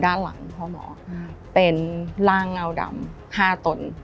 ด้านหลังพ่อหมอเป็นร่างเงาดำ๕ตน